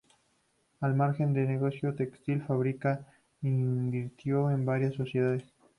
Al margen del negocio textil, Fabra invirtió en varias sociedades.